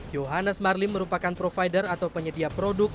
johannes marlim merupakan provider atau penyedia produk